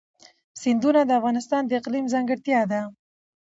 سیندونه د افغانستان د اقلیم ځانګړتیا ده.